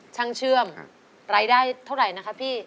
ช่างเชื่อมครับใร่ได้เท่าไรนะครับพี่